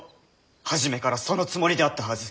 初めからそのつもりであったはず。